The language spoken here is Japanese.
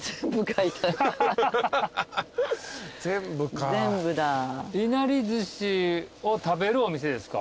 いなり寿司を食べるお店ですか？